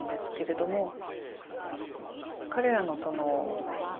彼らのその。